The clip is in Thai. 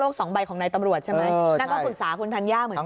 โลก๒ใบของนายตำรวจใช่มั้ยเค้าก็ปรึกษาคุณทันยาเหมือนกัน